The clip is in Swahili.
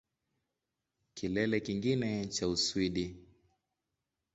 Kilele kingine cha Uswidi